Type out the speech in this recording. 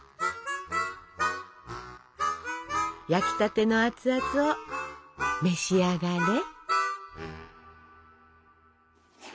焼きたての熱々を召し上がれ！